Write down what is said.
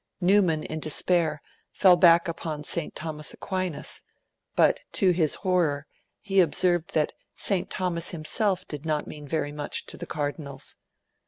Newman, in despair, fell back upon St. Thomas Aquinas; but, to his horror, he observed that St. Thomas himself did not mean very much to the Cardinals.